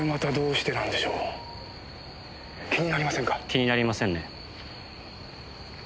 気になりませんね。